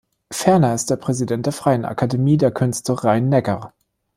Ferner ist er Präsident der Freien Akademie der Künste Rhein-Neckar.